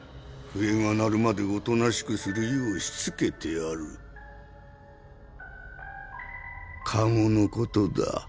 笛が鳴るまでおとなしくするようしつけてある加茂のことだ。